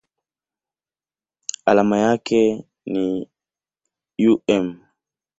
Alama yake ni µm.